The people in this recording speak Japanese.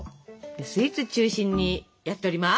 スイーツ中心にやっております！